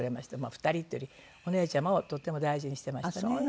２人っていうよりお姉ちゃまをとっても大事にしてましたね。